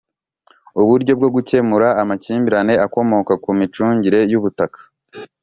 uburyo bwo gukemura amakimbirane akomoka ku micungire y'ubutaka